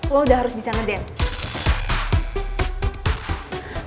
lo udah harus bisa ngedance